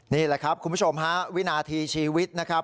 นี่แหละครับคุณผู้ชมฮะวินาทีชีวิตนะครับ